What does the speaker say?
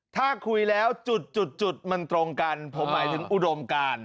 ถ้าคุยแล้วจุดมันตรงกันผมหมายถึงอุดมการ